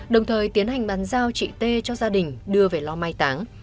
đồng thời tiến hành bán giao chị tê cho gia đình đưa về lo mai táng